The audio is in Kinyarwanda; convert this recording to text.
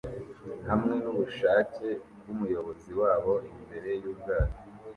hamwe nubushake bwumuyobozi wabo imbere yubwato